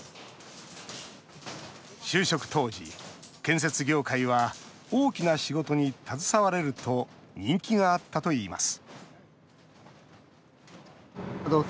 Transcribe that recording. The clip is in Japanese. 就職当時、建設業界は大きな仕事に携われると人気があったといいます